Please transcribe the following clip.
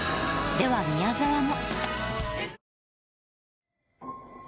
では宮沢も。